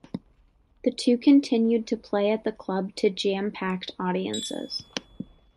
The two continued to play at the club to jam-packed audiences.